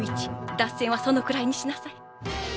脱線はそのくらいにしなさい。